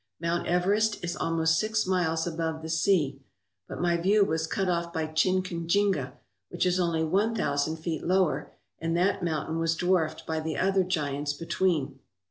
Mount Everest is almost six miles above the sea, but my view was cut off by Kinchinjinga, which is only one thousand feet lower, and that mountain was dwarfed by the other giants between.